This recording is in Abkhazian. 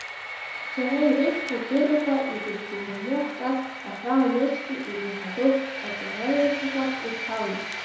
Шәара ирышәҭо адыррақәа ирыбзоураны, ҳҿар аҳәаанырцәтәи иреиҳаӡоу аҵараиурҭақәа ирҭалоит.